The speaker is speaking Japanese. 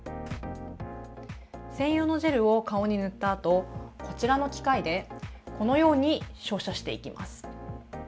専用のジェルを顔に塗ったあとこちらの器械でこのように照射していきます。